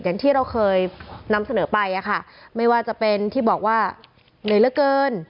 อย่างที่เราเคยนำเสนอไปอะค่ะไม่ว่าจะเป็นที่บอกว่าเหนื่อยเหลือเกิน